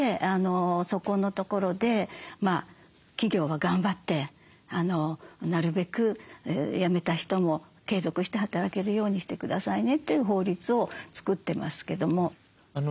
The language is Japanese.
そこのところで企業は頑張ってなるべく辞めた人も継続して働けるようにして下さいねという法律を作ってますけども。